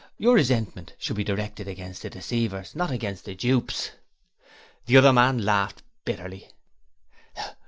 Your resentment should be directed against the deceivers, not against the dupes.' The other man laughed bitterly.